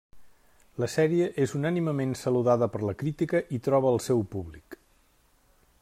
La sèrie és unànimement saludada per la crítica i troba el seu públic.